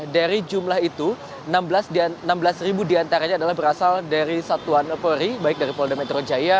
dari jumlah itu enam belas ribu diantaranya adalah berasal dari satuan polri baik dari polda metro jaya